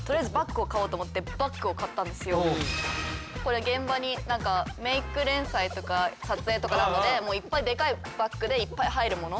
これ現場に何かメイク連載とか撮影とかあるのでいっぱいでかいバッグでいっぱい入るもの